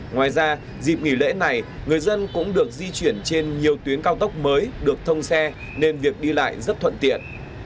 ngoài ra dịp nghỉ lễ này người dân cũng được di chuyển trên nhiều tuyến cao tốc mới được thông xe nên việc đi lại rất thuận tiện